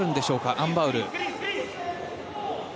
アン・バウル。